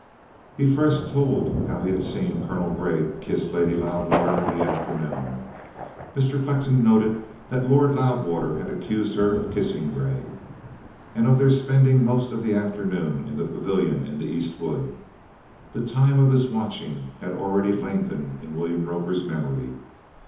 He first told how he had seen Colonel Grey kiss Lady Loudwater in the afternoon Mr. Flexen noted that Lord Loudwater had accused her of kissing Grey and of their spending most of the afternoon in the pavilion in the East wood. The time of his watching had already lengthened in William Roper's memory.